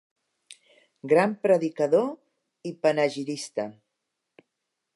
Gran predicador i panegirista.